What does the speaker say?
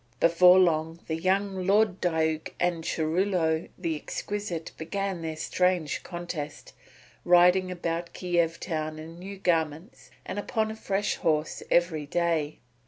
Before long the young Lord Diuk and Churilo the Exquisite began their strange contest, riding about Kiev town in new garments and upon a fresh horse every day.